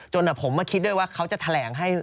ผมมาคิดด้วยว่าเขาจะแถลงให้